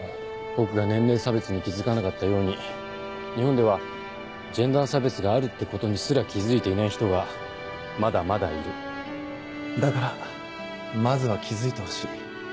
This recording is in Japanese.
僕が年齢差別に気付かなかったように日本ではジェンダー差別があるってことにすら気付いていない人がまだまだいるだからまずは気付いてほしい。